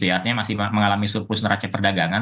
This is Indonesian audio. artinya masih mengalami surplus neraca perdagangan